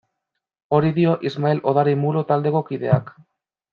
Hori dio Ismael Odari Mulo taldeko kideak.